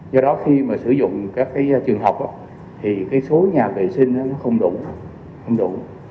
do đó khi sử dụng các trường học thì số nhà vệ sinh không đủ